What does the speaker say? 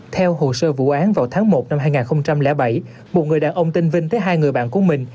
theo hồ sơ vụ án vào tháng một năm hai nghìn bảy một người đàn ông tên vinh tới hai người bạn của mình